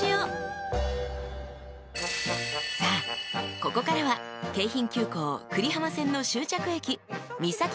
［さあここからは京浜急行久里浜線の］